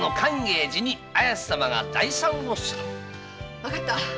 分かった。